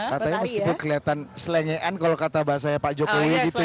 kata dia masih kelihatan selengean kalau kata bahasanya pak jokowi gitu ya